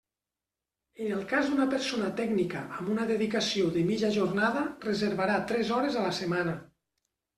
En el cas d'una persona tècnica amb una dedicació de mitja jornada reservarà tres hores a la setmana.